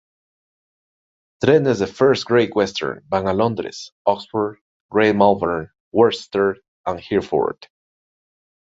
Trenes de First Great Western van a Londres, Oxford, Great Malvern, Worcester y Hereford.